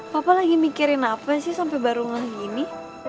papa lagi mikirin apa sih sampai baru ngegini